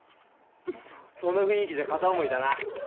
その雰囲気じゃ片思いだな。